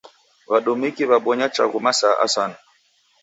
W'adumiki w'abonya chaghu masaa asanu.